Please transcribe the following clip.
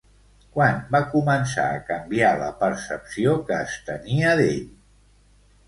Quan va començar a canviar la percepció que es tenia d'ell?